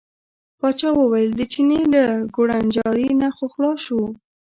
پاچا وویل د چیني له کوړنجاري نه خو خلاص شو.